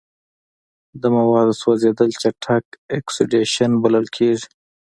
د موادو سوځیدل چټک اکسیدیشن بلل کیږي.